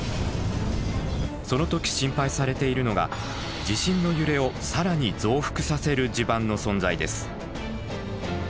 その時心配されているのが地震の揺れを更に増幅させる地盤の存在です。